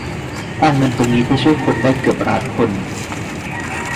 เอาเงินตรงนี้ไปช่วยคนได้เกือบล้านคน